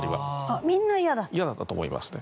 嫌だったと思いますね。